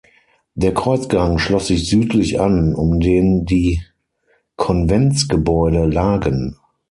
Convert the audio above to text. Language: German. Der Kreuzgang schloss sich südlich an, um den die Konventsgebäude lagen.